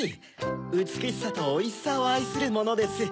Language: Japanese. うつくしさとおいしさをあいするものです。